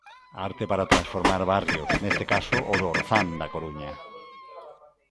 Arte para transformar barrios, neste caso o do Orzán na Coruña.